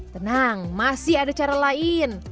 tenang masih ada cara lain